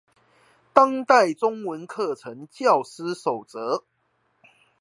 當代中文課程教師手冊